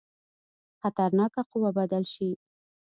خطرناکه قوه بدل شي.